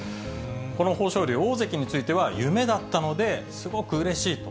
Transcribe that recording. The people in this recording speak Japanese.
この豊昇龍、大関については、夢だったので、すごくうれしいと。